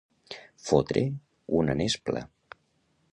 Fotre una nespla.